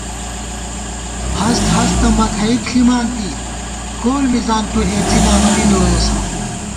ہست ہستہ مَکھَئیک ݪِمانتی، کول مِزان تُو ہېڅی نامہ می دوئیسہ